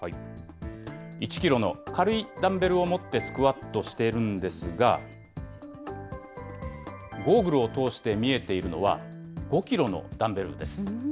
１キロの軽いダンベルを持ってスクワットしているんですが、ゴーグルを通して見えているのは、５キロのダンベルです。